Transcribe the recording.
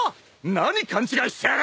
何勘違いしてやがる！